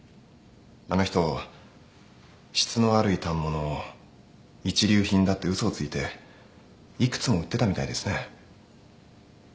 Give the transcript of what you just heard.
あの人質の悪い反物を一流品だって嘘をついて幾つも売ってたみたいですね。